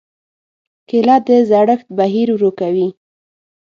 کېله د زړښت بهیر ورو کوي.